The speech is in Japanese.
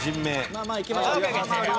まあまあいきましょう。